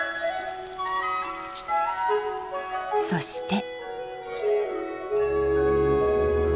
そして。